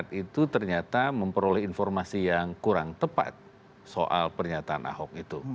itu ternyata memperoleh informasi yang kurang tepat soal pernyataan ahok itu